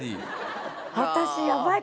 私やばい。